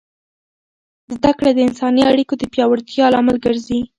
زده کړه د انساني اړیکو د پیاوړتیا لامل ګرځي.